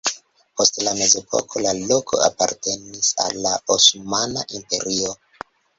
Post la mezepoko la loko apartenis al la Osmana Imperio.